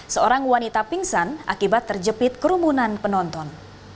seorang wanita pingsan akibat terjepit kerumunan penonton